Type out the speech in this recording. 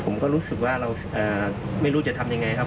ผมก็รู้สึกว่าเราไม่รู้จะทำยังไงครับ